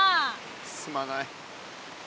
すまない。